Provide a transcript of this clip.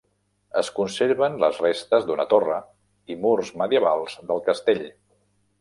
Es conserven les restes d'una torre i murs medievals del castell.